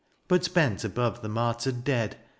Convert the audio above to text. But bent above the martyred dead.